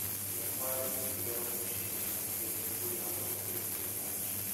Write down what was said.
Riappare quindi il vero Pulcinella che, infuriato, prende tutti a calci.